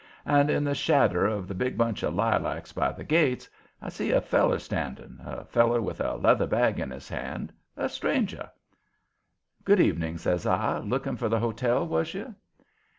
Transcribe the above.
And, in the shadder of the big bunch of lilacs by the gate, I see a feller standing, a feller with a leather bag in his hand, a stranger. "Good evening," says I. "Looking for the hotel, was you?"